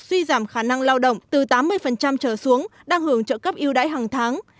suy giảm khả năng lao động từ tám mươi trở xuống đang hưởng trợ cấp yêu đãi hàng tháng